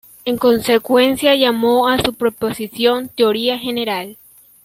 En consecuencia llamó a su proposición "Teoría general".